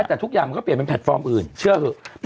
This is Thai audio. แต่ทุกอย่างมันก็เปลี่ยนเป็นแพลตฟอร์มอื่นเชื่อเถอะ